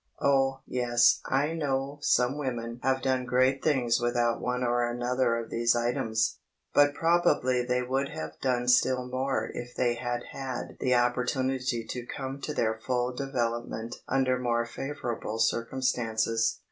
Oh, yes, I know some few women have done great things without one or another of these items—but probably they would have done still more if they had had the opportunity to come to their full development under more favourable circumstances.